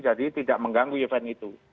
jadi tidak mengganggu event itu